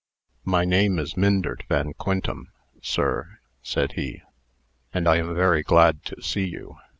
"My name is Myndert Van Quintem, sir," said he, "and I am very glad to see you."